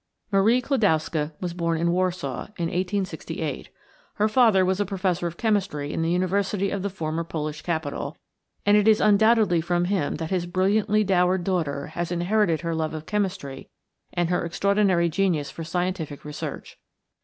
Marie Klodowska was born in Warsaw, in 1868. Her father was a professor of chemistry in the university of the former Polish capital; and it is undoubtedly from him that his brilliantly dowered daughter has inherited her love of chemistry and her extraordinary genius for scientific research.